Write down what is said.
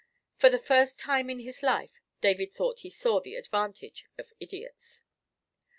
For the first time in his life, David thought he saw the advantage of idiots.